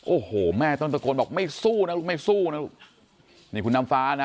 โอ้โหแม่ต้องตะโกนบอกไม่สู้นะลูกไม่สู้นะลูกนี่คุณน้ำฟ้านะ